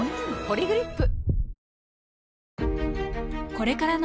「ポリグリップ」